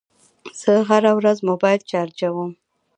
زه هره ورځ موبایل چارجوم.